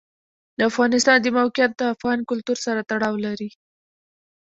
د افغانستان د موقعیت د افغان کلتور سره تړاو لري.